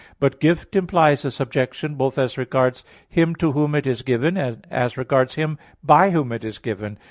But gift implies a subjection both as regards him to whom it is given, and as regards him by whom it is given.